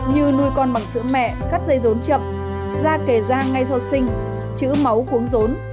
như nuôi con bằng sữa mẹ cắt dây rốn chậm ra kề da ngay sau sinh chữ máu uống rốn